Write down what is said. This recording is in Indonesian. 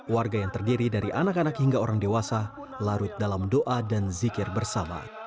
warga yang terdiri dari anak anak hingga orang dewasa larut dalam doa dan zikir bersama